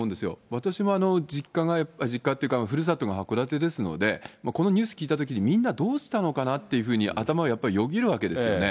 私も実家が、実家というか、ふるさとが函館なので、このニュース聞いたときに、みんなどうしたのかなっていうふうに、頭をやっぱりよぎるわけですよね。